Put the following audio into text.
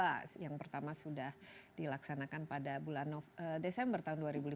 yang pertama sudah dilaksanakan pada bulan desember tahun dua ribu lima belas